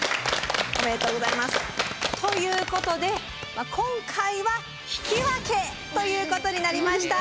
おめでとうございます。ということで今回は引き分けということになりました。